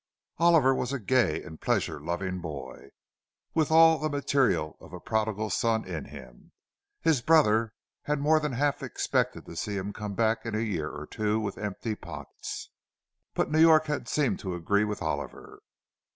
Oliver was a gay and pleasure loving boy, with all the material of a prodigal son in him; his brother had more than half expected to see him come back in a year or two with empty pockets. But New York had seemed to agree with Oliver.